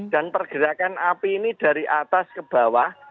dan pergerakan api ini dari atas ke bawah